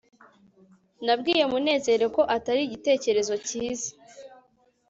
nabwiye munezero ko atari igitekerezo cyiza